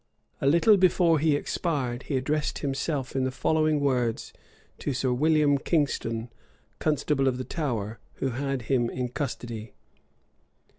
A little before he expired, he addressed himself in the following words to Sir William Kingston, constable of the Tower, who had him in custody.